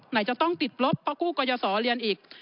ไหนจะต้องติดลบเพราะกู้กรยาศรเรียนอีก